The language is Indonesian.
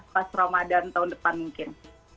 pas ramadhan tahun depan mungkin